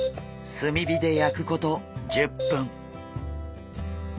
炭火で焼くこと１０分。